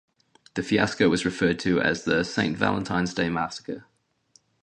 The fiasco was referred to as the "Saint Valentine's Day Massacre".